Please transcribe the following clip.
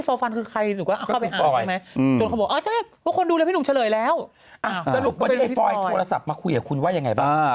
พบดี้พี่ฟรอยโทรศัพท์มาคุยกูว่ายังไงบ้าง